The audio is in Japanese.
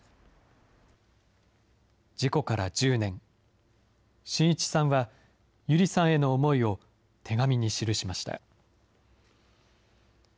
事故から１０年、信一さんは、友梨さんへの思いを手紙に記しました。